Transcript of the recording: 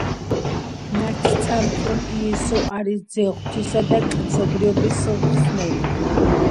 მათ სწამთ რომ იესო არის ძე ღვთისა და კაცობრიობის მხსნელი.